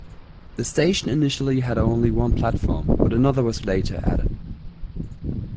The station initially had only one platform but another was later added.